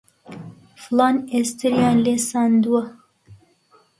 فڵان ئێستریان لێ ساندووە